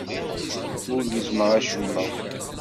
Ur gezzmeɣ acemma.